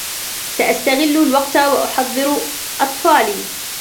سأستغلّ الوقت و أُحضّر أطفالي.